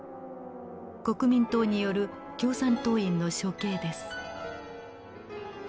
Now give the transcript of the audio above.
国民党による共産党員の処刑です。